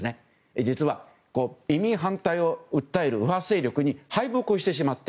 移民反対を訴える右派勢力に敗北をしてしまって。